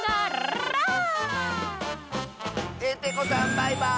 バイバーイ！